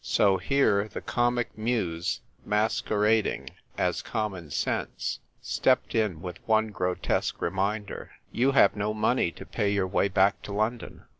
So here, the comic muse, masqueradingas Common 254 THE TYPE WRITER GIRL. Sense, steppedinvvith one grotesque reminder: " You have no money to pay your way back to London."